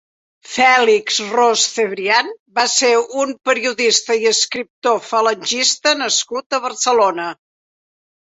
Félix Ros Cebrián va ser un periodista i escriptor falangista nascut a Barcelona.